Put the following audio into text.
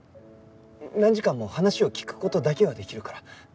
何時間も話を聞く事だけはできるから。